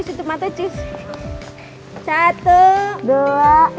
kita mau juga kita bumbat